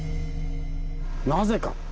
なぜか。